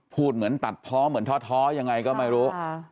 พูดเหมือนตัดเพาะเหมือนท้อยังไงก็ไม่รู้